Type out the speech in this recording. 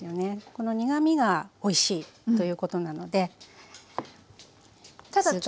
この苦みがおいしいということなのですが。